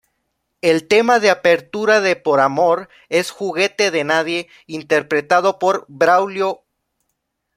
El tema de apertura de "Por amor" es "Juguete de nadie" interpretado por Braulio.